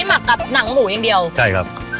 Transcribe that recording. หมักกับหนังหมูอย่างเดียว